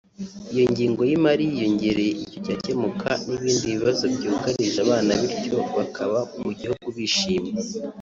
Iyo ngengo y’imari yiyongereye icyo cyakemuka n’ibindi bibazo byugarije abana bityo bakaba mu gihugu bishimye”